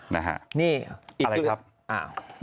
นะฮะอีกถึงอะไรครับอ้าว